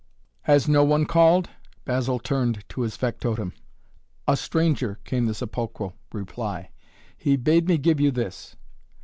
"Has no one called?" Basil turned to his factotum. "A stranger," came the sepulchral reply. "He bade me give you this!"